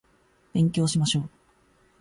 勉強しましょう